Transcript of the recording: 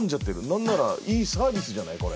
何ならいいサービスじゃないこれ。